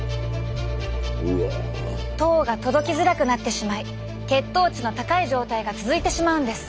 糖が届きづらくなってしまい血糖値の高い状態が続いてしまうんです。